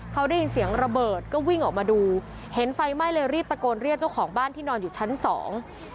เขาได้ยินเสียงระเบิดก็วิ่งออกมาดูเห็นไฟไหม้เลยรีบตะโกนเรียกเจ้าของบ้านที่นอนอยู่ชั้นสอง